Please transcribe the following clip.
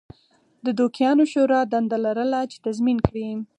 د دوکیانو شورا دنده لرله چې تضمین کړي